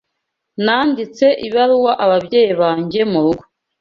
Nanditse ibaruwa ababyeyi banjye murugo.